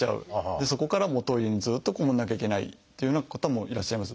でそこからトイレにずっと籠もらなきゃいけないっていうような方もいらっしゃいます。